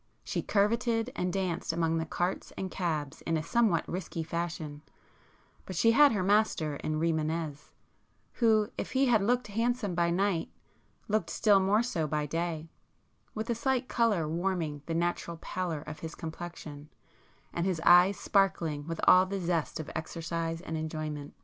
She curveted and danced among the carts and cabs in a somewhat risky fashion, but she had her master in Rimânez, who if he had looked handsome by night looked still more so by day, with a [p 44] slight colour warming the natural pallor of his complexion and his eyes sparkling with all the zest of exercise and enjoyment.